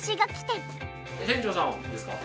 店長さんですか？